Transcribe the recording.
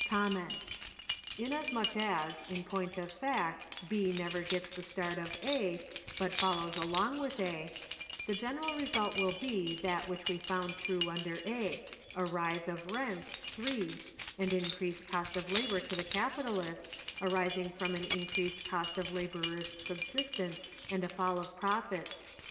Inasmuch as, in point of fact, B never gets the start of A, but follows along with A, the general result will be that which we found true under A—a rise of rents (3), and increased cost of labor to the capitalist, arising from an increased cost of laborers' subsistence and a fall of profits (2).